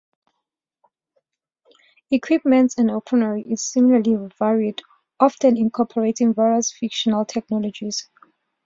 Equipment and weaponry is similarly varied, often incorporating various fictional technologies.